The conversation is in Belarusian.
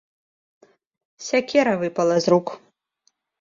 Сякера выпала з рук.